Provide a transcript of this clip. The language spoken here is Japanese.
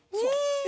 え！